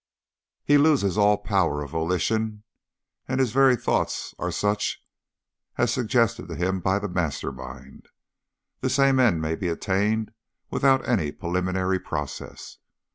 He loses all power of volition, and his very thoughts are such as are suggested to him by the master mind. The same end may be attained without any preliminary process.